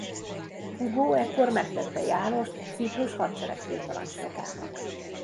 Hugó ekkor megtette Jánost Ciprus hadsereg-főparancsnokának.